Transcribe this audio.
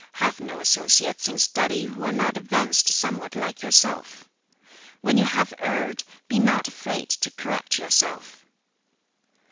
"Have no associates in study who are not advanced somewhat like yourself. "When you have erred, be not afraid to correct yourself."